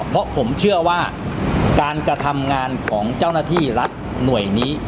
เพราะผมเชื่อว่าการกระทำงานของเจ้าหน้าที่รัฐหน่วยนี้